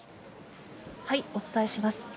お伝えします。